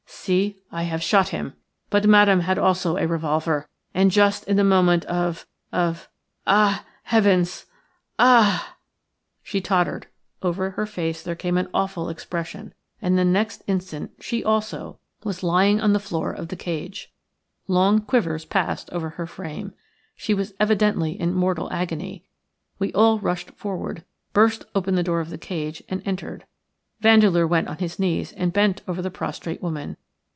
See, I have shot him. But Madame had also a revolver, and just in the moment of – of – ah! Ah!" "'THE GREAT MADAME SARA IS DEAD,' SHE SAID." She tottered; over her face there came an awful expression, and the next instant she also was lying on the floor of the cage. Long quivers passed over her frame. She was evidently in mortal agony. We all rushed forward, burst open the door of the cage, and entered. Vandeleur went on his knees and bent over the prostrate woman.